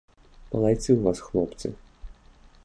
Малайцы ў вас хлопцы.